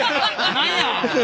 何や！